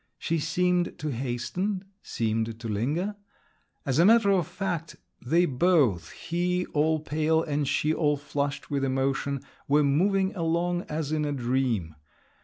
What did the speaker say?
She seemed to hasten … seemed to linger. As a matter of fact, they both—he all pale, and she all flushed with emotion—were moving along as in a dream.